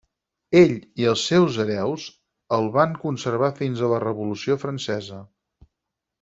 Ell i els seus hereus el van conservar fins a la Revolució Francesa.